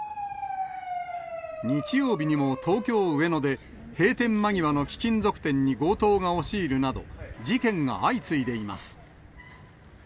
日曜日にも東京・上野で、閉店間際の貴金属店に強盗が押し入るなど、事件が相次いでいます。